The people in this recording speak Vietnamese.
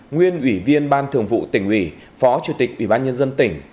nguyên ủy viên ban thường vụ tỉnh ủy phó chủ tịch ủy ban nhân dân tỉnh